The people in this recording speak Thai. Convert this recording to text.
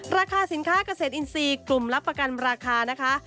ราคาสินค้าเกษตรอินทรีย์กลุ่มรับประกันราคานะคะ